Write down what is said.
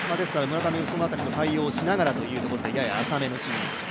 村上はその辺りの対応をしながらということでやや浅めの守備位置。